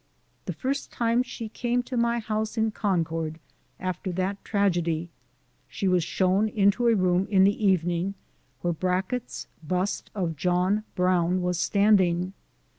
The first time she came to my house, in Concord, after that tragedy, she was shown into a room in the evening, where Brackett's bust of John Brown was stand ing.